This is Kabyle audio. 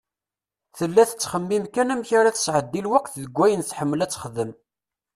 Tella tettxemmim kan amek ara tesɛeddi lweqt deg wayen tḥemmel ad texdem.